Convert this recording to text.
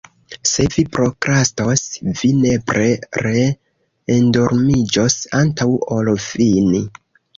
Se vi prokrastos, vi nepre re-endormiĝos antaŭ ol fini.